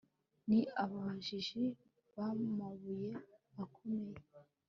Ni ababaji bamabuye akomeye